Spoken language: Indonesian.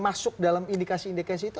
masuk dalam indikasi indikasi itu